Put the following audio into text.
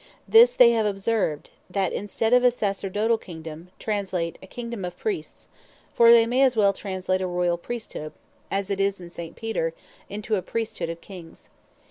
This they have observed, that in stead of a Sacerdotall Kingdome, translate, a Kingdome of Priests: for they may as well translate a Royall Priesthood, (as it is in St. Peter) into a Priesthood of Kings.